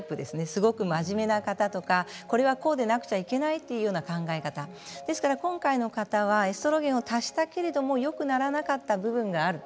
すごく真面目な方とかこれはこうでなくちゃいけないという考え方ですから今回の方はエストロゲンを足したけれどもよくならなかった部分がある。